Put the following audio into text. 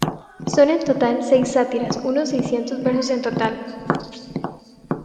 Son en total seis sátiras, unos seiscientos versos en total.